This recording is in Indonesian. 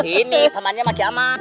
ini pamannya sama keaman